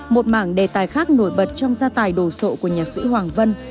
một mảng đề tài khác nổi bật trong gia tài đồ sộ của nhạc sĩ hoàng vân